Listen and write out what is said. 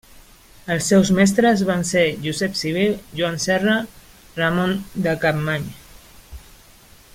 Els seus mestres van ser Josep Civil, Joan Serra, Ramon de Capmany.